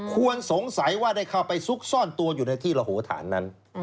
ควรสงสัยว่าได้เข้าไปซุกซ่อนตัวอยู่ในที่ระโหฐานนั้น